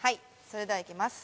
それではいきます。